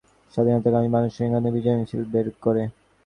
বেলা বাড়ার সঙ্গে সঙ্গে স্বাধীনতাকামী মানুষ রাঙ্গুনিয়ায় বিজয় মিছিল বের করে।